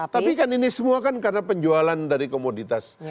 tapi kan ini semua kan karena penjualan dari komoditas